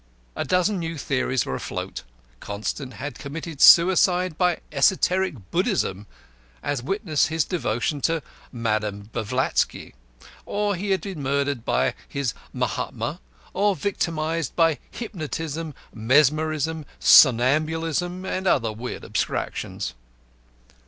A dozen new theories were afloat. Constant had committed suicide by Esoteric Buddhism, as witness his devotion to Mme. Blavatsky, or he had been murdered by his Mahatma or victimised by Hypnotism, Mesmerism, Somnambulism, and other weird abstractions.